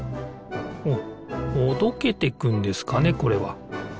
ほどけていくんですかねこれは。